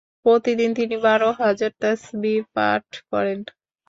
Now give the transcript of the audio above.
প্রতিদিন তিনি বার হাজার তাসবীহ পাঠ করেন।